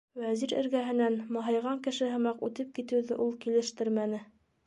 Вәзир эргәһенән маһайған кеше һымаҡ үтеп китеүҙе ул килештермәне.